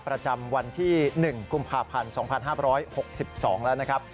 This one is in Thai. ประจำวันที่๑กุมภาพันธ์๒๕๖๒แล้วนะครับ